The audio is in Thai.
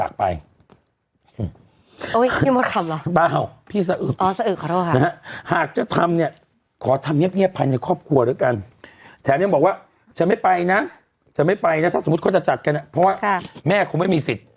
เก็บปากไว้ทำอย่างอื่นแม่